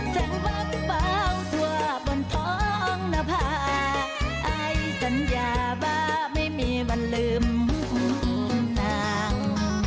แสงวับเบาตัวบนท้องหน้าภาคไอ้สัญญาบาลไม่มีวันลืมอีกนัง